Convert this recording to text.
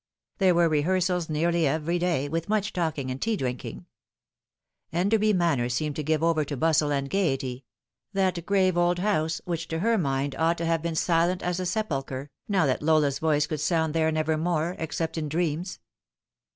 There were rehearsals nearly every day, with much talk and tea drinking. Enderby Manor seemed given over to bustle and gaiety that grave ol^ house, which to her mind ought to have been silent as a sepul chre, now that Lola's voice could sound there never more, ex cept in dreams.